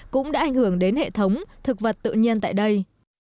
cũng đã ảnh hưởng đến hệ thống thực vật tự nhiên tại đây